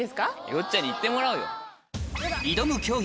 よっちゃんに行ってもらおうよ。